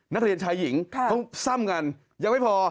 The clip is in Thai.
นักเรียนชายหญิงต้องซ่ำกันยังไม่พอ